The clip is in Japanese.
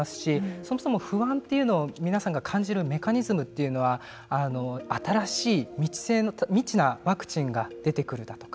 そもそも不安というのを皆さんが感じるメカニズムというのは新しい未知なワクチンが出てくるだとか